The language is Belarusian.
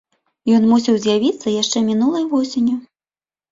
Ён мусіў з'явіцца яшчэ мінулай восенню.